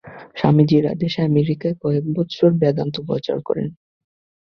স্বামীজীর আদেশে আমেরিকায় কয়েক বৎসর বেদান্ত প্রচার করেন।